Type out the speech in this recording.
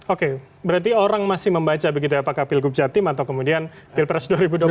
oke berarti orang masih membaca begitu ya apakah pilgub jatim atau kemudian pilpres dua ribu dua puluh empat